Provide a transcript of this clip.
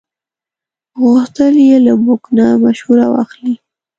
غوښتل یې له موږ نه مشوره واخلي.